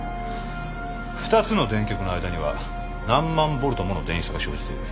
二つの電極の間には何万ボルトもの電位差が生じている。